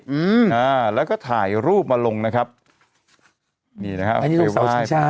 อืมอ่าแล้วก็ถ่ายรูปมาลงนะครับนี่นะฮะอันนี้คือเสาชิงช้า